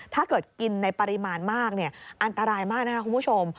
ถ้าเกิดกินในปริมาณมากอันตรายมากนะครับคุณผู้ชม